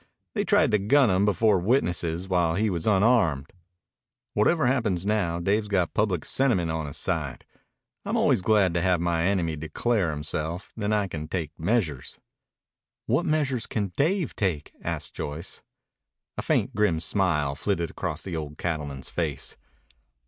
They tried to gun him, before witnesses, while he was unarmed. Whatever happens now, Dave's got public sentiment on his side. I'm always glad to have my enemy declare himself. Then I can take measures." "What measures can Dave take?" asked Joyce. A faint, grim smile flitted across the old cattleman's face.